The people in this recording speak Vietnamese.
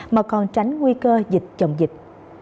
mà còn tránh nguy cơ dịch chồng dịch